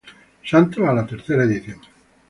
Santos a la tercera edición.